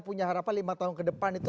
punya harapan lima tahun ke depan itu